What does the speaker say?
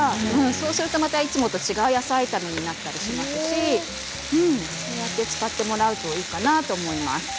そうすると、またいつもと違う野菜炒めになったりしますしそうやって使ってもらうといいかなと思います。